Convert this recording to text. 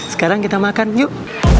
sekarang kita makan yuk